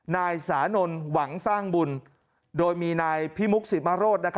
นายสานนท์หวังสร้างบุญโดยมีนายพิมุกสิมโรธ